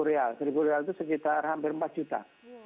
rp satu itu sekitar hampir rp empat juta